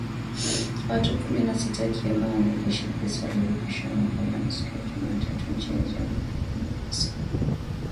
Watu kumi na sita ,wakiwemo wanajeshi tisa ,walifikishwa mahakamani siku ya Jumatatu nchini Jamhuri ya Kidemokrasia ya Kongo